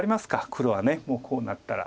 黒はもうこうなったら。